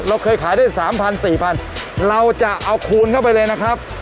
เราเคยขายได้๓๐๐๔๐๐เราจะเอาคูณเข้าไปเลยนะครับ